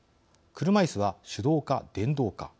車いすは手動か電動か。